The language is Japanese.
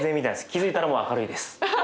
気付いたらもう明るいです。